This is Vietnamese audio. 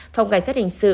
phòng cảnh sát hình sự